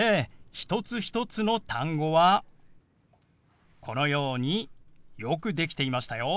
一つ一つの単語はこのようによくできていましたよ。